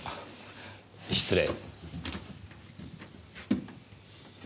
失礼。